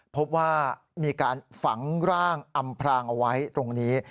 พบว่ามีการฝังร่างอำพรางเอาไว้ตรงนี้